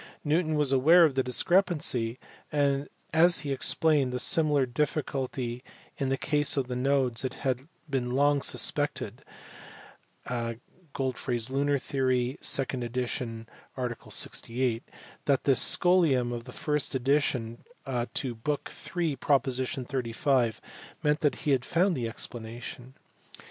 Newton was aware of the discrepancy, and as he explained the similar difficulty in the case of the nodes it had been long suspected (ex. (jr. Godfray s Lunar Theory, 2nd edition, art. 68) that the scholium in the first edition to book in. prop. 35 meant that he had found the explanation.